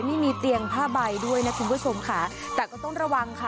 นี่มีเตียงผ้าใบด้วยนะคุณผู้ชมค่ะแต่ก็ต้องระวังค่ะ